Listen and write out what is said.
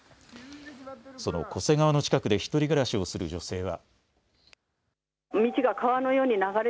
その巨瀬川の近くで１人暮らしをする女性は。